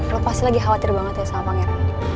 lo pasti lagi khawatir banget ya sama pangeran